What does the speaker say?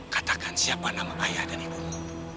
katakan siapa nama ayah dan ibumu